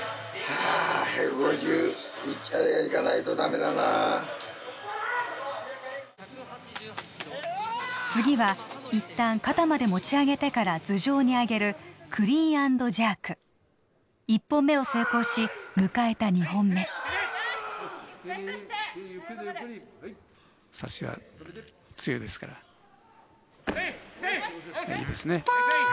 あれがいかないとダメだな次はいったん肩まで持ち上げてから頭上にあげるクリーン＆ジャーク１本目を成功し迎えた２本目さしは強いですからいいですね